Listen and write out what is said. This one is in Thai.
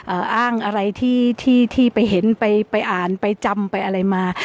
เอ่ออ้างอะไรที่ไปเห็นไปอ่านไปจำไปอะไรมา